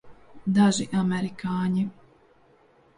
Daži amerikāņi.